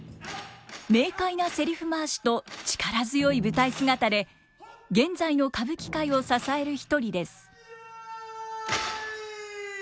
明快なせりふ回しと力強い舞台姿で現在の歌舞伎界を支える一人です。